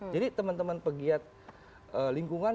jadi teman teman pegiat lingkungan